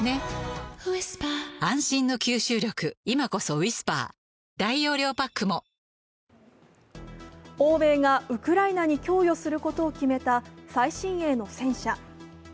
ロシア側は早速、こんな主張を欧米がウクライナに供与することを決めた最新鋭の戦車。